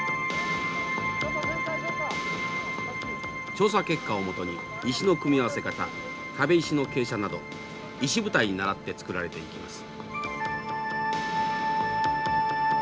調査結果をもとに石の組み合わせ方壁石の傾斜など石舞台にならって造られていきます。